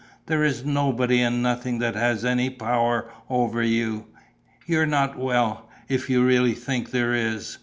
There is nobody and nothing that has any power over you. You're not well, if you really think there is.